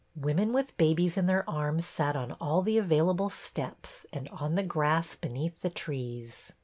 Women with babies in their arms sat on all the available steps and on the grass beneath the trees.